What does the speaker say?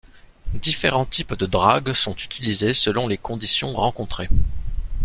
Différents types de drague sont utilisés selon les conditions rencontrées.